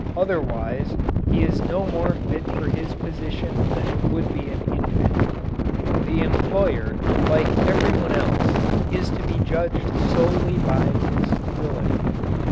Otherwise he is no more fit for his position than would be an infant. The employer, like everyone else, is to be judged solely by his ability.